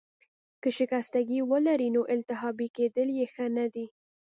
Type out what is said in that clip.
که شکستګي ولرې، نو التهابي کیدل يې ښه نه دي.